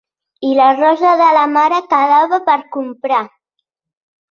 I la rosa de la mare quedava per comprar.